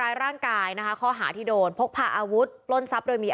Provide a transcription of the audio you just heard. ร่างกายนะคะข้อหาที่โดนพกพาอาวุธปล้นทรัพย์โดยมี